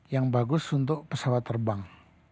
yang bagus untuk pesawat terbang